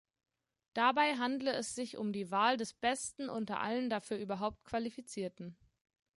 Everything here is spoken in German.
Dabei handle es sich um die Wahl des Besten unter allen dafür überhaupt Qualifizierten.